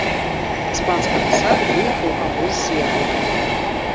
З панскага саду выехаў абоз з яблыкамі.